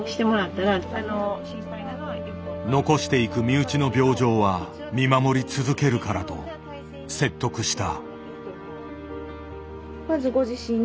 残していく身内の病状は見守り続けるからと説得した。